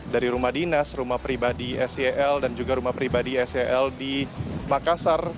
dari rumah dinas rumah pribadi sel dan juga rumah pribadi sel di makassar